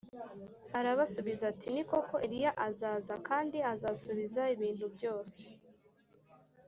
Arabasubiza ati ni koko Eliya azaza kandi azasubiza ibintu byose